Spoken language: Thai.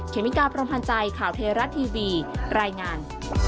เมกาพรมพันธ์ใจข่าวเทราะทีวีรายงาน